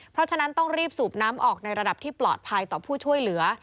เพราะฉะนั้นต้องรีบสูบน้ำออกในระดับที่ปลอดภัยต่อผู้ช่วยเหลือ